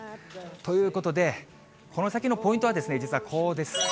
ということで、この先のポイントは実はこうです。